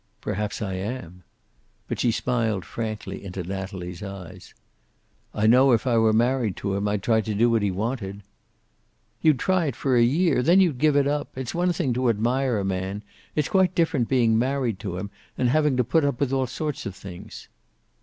"Perhaps I am." But she smiled frankly into Natalie's eyes. "I know if I were married to him, I'd try to do what he wanted." "You'd try it for a year. Then you'd give it up. It's one thing to admire a man. It's quite different being married to him, and having to put up with all sorts of things?"